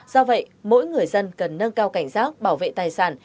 do vậy mỗi người dân cần nâng cao cảnh giác bảo vệ tài sản